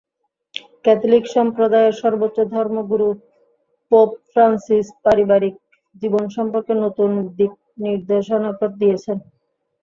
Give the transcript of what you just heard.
Catholic সম্প্রদায়ের সর্বোচ্চ ধর্মগুরু পোপ ফ্রান্সিস পারিবারিক জীবন সম্পর্কে নতুন দিকনির্দেশনা দিয়েছেন।